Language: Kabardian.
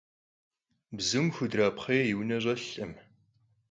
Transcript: Bzum xudrapxhêy yi vune ş'elhkhım.